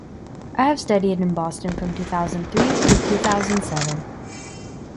I have studied in Boston from two thousand three to two thousand seven.